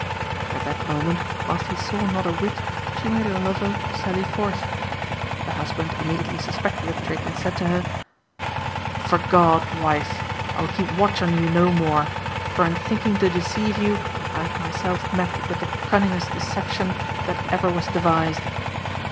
At that moment, whilst he saw not a whit, she made her lover sally forth. The husband immediately suspected the trick, and said to her "'Fore God, wife, I will keep watch on you no more, for in thinking to deceive you, I have myself met with the cunningest deception that ever was devised.